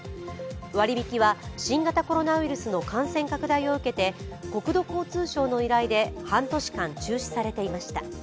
割引は新型コロナウイルスの感染拡大を受けて国土交通省の依頼で半年間中止されていました。